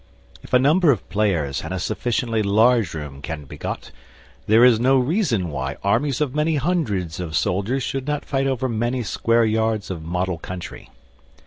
If a number of players and a sufficiently large room can be got, there is no reason why armies of many hundreds of soldiers should not fight over many square yards of model country.